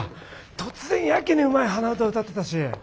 突然やけにうまい鼻歌歌ってたし。